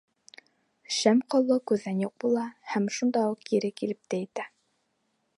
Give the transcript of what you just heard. Шәм ҡоло күҙҙән юҡ була һәм шунда уҡ кире килеп тә етә.